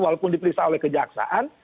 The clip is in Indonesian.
walaupun diperiksa oleh kejaksaan